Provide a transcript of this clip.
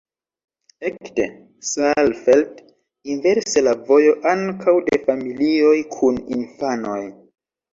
Ekde Saalfeld inverse la vojo ankaŭ de familioj kun infanoj.